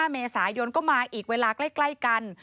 ๕เมษายนก็มาอีกเวลาใกล้กัน